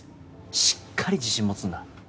しっかり自信持つんだ。